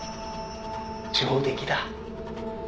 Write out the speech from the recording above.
「上出来だ」